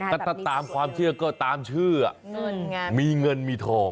ก็ถ้าตามความเชื่อก็ตามชื่อมีเงินมีทอง